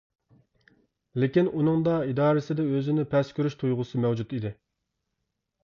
لېكىن، ئۇنىڭدا ئىدارىسىدە ئۆزىنى پەس كۆرۈش تۇيغۇسى مەۋجۇت ئىدى.